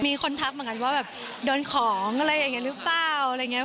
มีคนทักเหมือนกันว่าโดนของอะไรอย่างนี้หรือเปล่า